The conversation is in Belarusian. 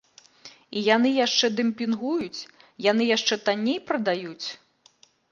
І яны яшчэ дэмпінгуюць, яны яшчэ танней прадаюць.